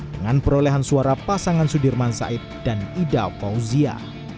dengan perolehan suara pasangan sudirman said dan ida fauzia